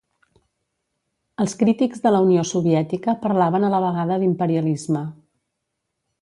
Els crítics de la Unió Soviètica parlaven a la vegada d'imperialisme.